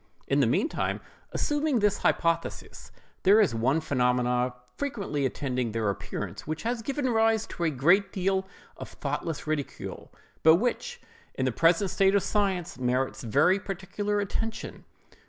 In the meantime, assuming this hypothesis, there is one phenomenon frequently attending their appearance, which has given rise to a great deal of thoughtless ridicule, but which, in the present state of science, merits very particular attention.